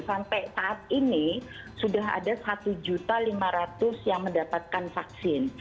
sampai saat ini sudah ada satu lima ratus yang mendapatkan vaksin